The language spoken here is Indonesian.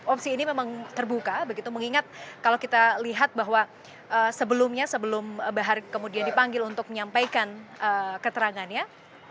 opsi ini memang terbuka begitu mengingat kalau kita lihat bahwa sebelumnya sebelum bahar kemudian dipanggil untuk menyampaikan keterangannya